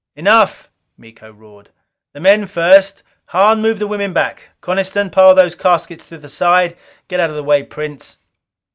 "Enough!" Miko roared. "The men first. Hahn, move the women back! Coniston, pile those caskets to the side. Get out of the way, Prince."